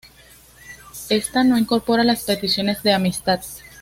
Esta no incorpora las peticiones de amistad.